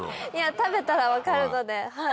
食べたら分かるので。